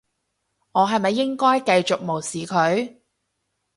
我係咪應該繼續無視佢？